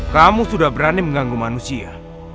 kamu sudah berani mengganggu manusia